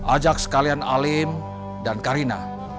ajak sekalian alim dan karina